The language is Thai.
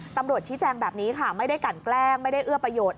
ตำรวจชี้แจงแบบนี้ค่ะไม่ได้กันแกล้งไม่ได้เอื้อประโยชน์